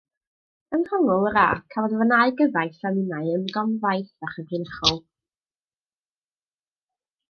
Yng nghongl yr ardd cafodd fy nau gyfaill a minnau ymgom faith a chyfrinachol.